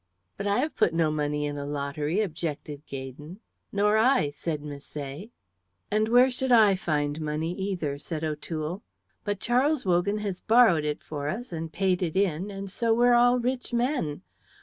"But I have put no money in a lottery," objected Gaydon. "Nor I," said Misset. "And where should I find money either?" said O'Toole. "But Charles Wogan has borrowed it for us and paid it in, and so we're all rich men.